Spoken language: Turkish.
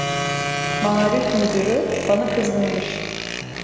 Maarif müdürü bana kızgınmış.